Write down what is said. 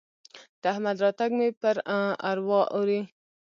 د احمد راتګ مې پر اروا اوري.